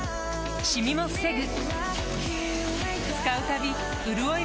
シミも防ぐ